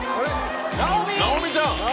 直美ちゃん。